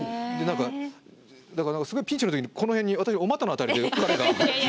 だからすごいピンチのときにこの辺に私のお股の辺りで彼が。